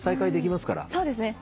そうですね。